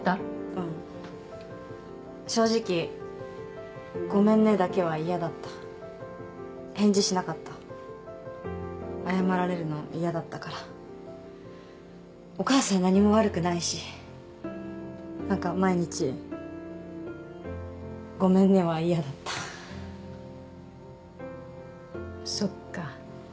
うん正直「ごめんね」だけは嫌だった返事しなかった謝られるの嫌だったからお母さん何も悪くないしなんか毎日「ごめんね」は嫌だったそっか